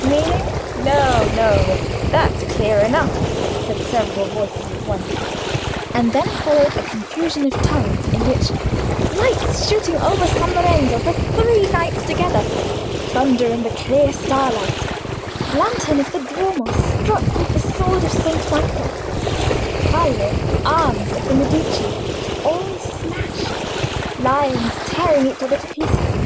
"Meaning? no, no; that's clear enough," said several voices at once, and then followed a confusion of tongues, in which "Lights shooting over San Lorenzo for three nights together"—"Thunder in the clear starlight"—"Lantern of the Duomo struck with the sword of Saint Michael"—"Palle" (Arms of the Medici)—"All smashed"—"Lions tearing each other to pieces"—"Ah!